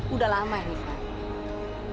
udah lama ini